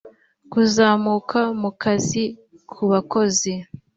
kuzamuka mu kazi ku bakozi